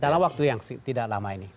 dalam waktu yang tidak lama ini